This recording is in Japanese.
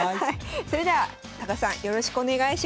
それでは高橋さんよろしくお願いします。